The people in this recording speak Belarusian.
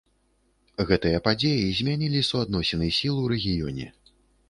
Гэтыя падзеі змянілі суадносіны сіл у рэгіёне.